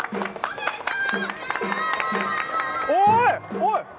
おい！